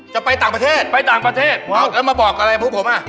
จะไปต่างประเทศไปต่างประเทศแล้วมาบอกอะไรพวกผมอ่ะ